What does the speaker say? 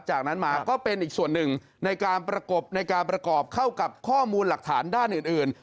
จากนั้นมาก็เป็นอีกส่วนหนึ่งในการประกบในการประกอบเข้ากับข้อมูลหลักฐานด้านอื่น